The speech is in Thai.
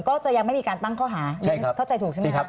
ก็จะยังไม่มีการตั้งข้อหาเข้าใจถูกใช่ไหมครับ